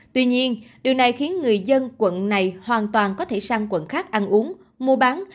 tuy nhiên điều này khiến người dân quận này hoàn toàn có thể sang quận khác ăn uống mua bán